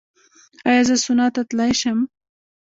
ایا زه سونا ته تلی شم؟